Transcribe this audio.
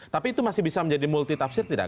tapi itu masih bisa menjadi multi tafsir tidak